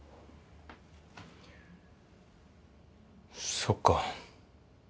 そっか。